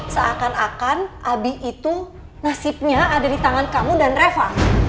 seakan akan abi itu nasibnya ada di tangan kamu dan reva